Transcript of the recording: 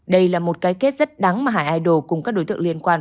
đây là một cái kết rất đắng mà hải idol cùng các đối tượng liên quan